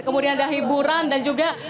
kemudian ada hiburan dan juga